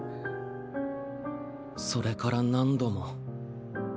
それから何度も。